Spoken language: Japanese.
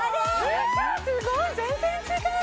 すごい全然違う！